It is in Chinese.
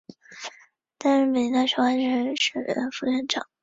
担任北京师范大学化学学院副院长。